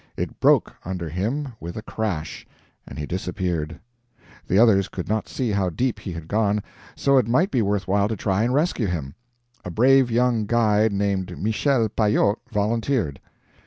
It broke under him with a crash, and he disappeared. The others could not see how deep he had gone, so it might be worthwhile to try and rescue him. A brave young guide named Michel Payot volunteered.